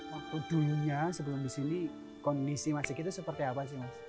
waktu dulunya sebelum disini kondisi mas zikir itu seperti apa sih mas